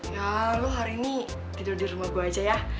ya lu hari ini tidur di rumah gue aja ya